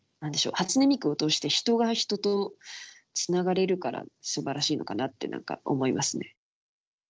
初音ミクを通して人が人とつながれるからすばらしいのかなって何か思いますね。